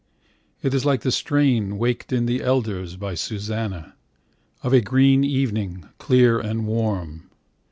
It is like the strain Waked in the elders by Susanna: Of a green evening, clear and warm.